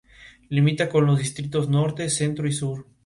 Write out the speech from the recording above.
Limita con los distritos norte, centro y sur.